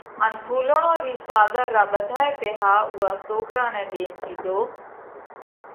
ان ڦُولڙون رِي ساۮر را ٻڌائي پئِيها اُوئا سوڪرا نئہ ۮينَ ڪِيڌو: